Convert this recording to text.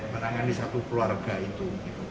menangani satu keluarga itu